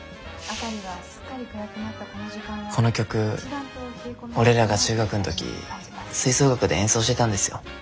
この曲俺らが中学ん時吹奏楽で演奏してたんですよ。